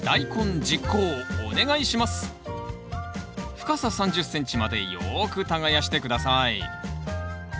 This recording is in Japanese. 深さ３０ｃｍまでよく耕して下さい。